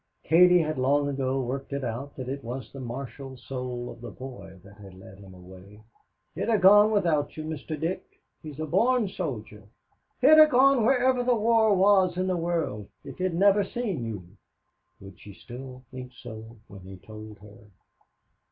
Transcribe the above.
Katie had long ago worked it out that it was the martial soul of the boy that had led him away. "He'd a gone without you, Mr. Dick. He's a born soldier. He'd a gone wherever the war was in the world if he'd never seen you." Would she still think so when he told her?